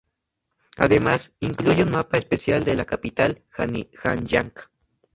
Además, incluye un mapa especial de la capital Hanyang.